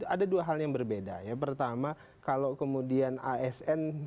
ada dua hal yang berbeda ya pertama kalau kemudian asn